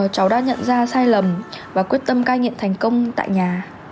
cháu đã nhận ra sai lầm và quyết tâm cai nghiện thành công tại nhà